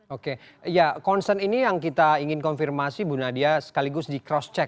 oke ya concern ini yang kita ingin konfirmasi bu nadia sekaligus di cross check